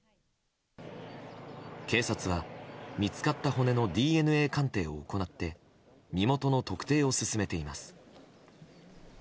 警察は見つかった骨のＤＮＡ鑑定を行って身元の特定を進めています。